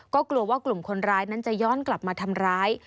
ก็กลัวว่ากลุ่มคนร้ายนั้นจะย้อนกลับมาทำร้าย